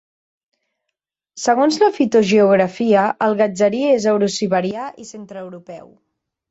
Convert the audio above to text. Segons la fitogeografia, el gatzerí és eurosiberià i centreeuropeu.